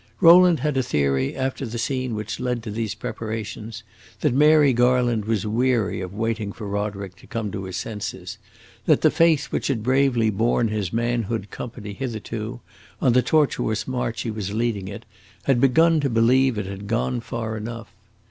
Rowland had a theory, after the scene which led to these preparations, that Mary Garland was weary of waiting for Roderick to come to his senses, that the faith which had bravely borne his manhood company hitherto, on the tortuous march he was leading it, had begun to believe it had gone far enough.